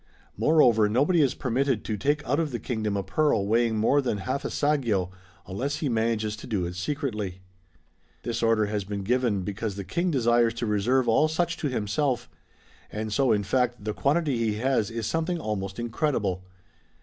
Moreover nobody is permitted to take out of the kingdom a pearl weighing more than half a saggio^ unless he manages to do it secretly .'^ This order has been given because the King desires to reserve all such to himself; and so in fact the quantity he has is something almost incredible.